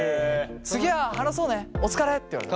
次は話そうねお疲れって言われた。